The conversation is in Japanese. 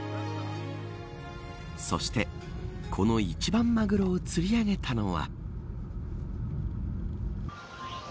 そして、この一番マグロを釣り上げたのは。